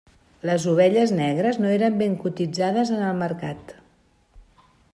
Les ovelles negres no eren ben cotitzades en el mercat.